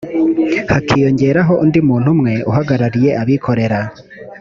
hakiyongeraho undi muntu umwe uhagarariye abikorera